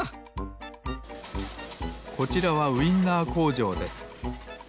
こちらはウインナーこうじょうです。